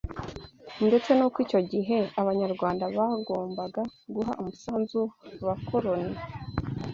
ndetse n’uko icyo gihe Abanyarwanda bagombaga guha umusanzu abakoroni